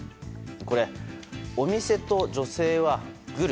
これ、お店と女性はグル。